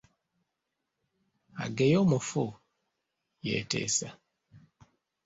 Ageya omufu, yeeteesa.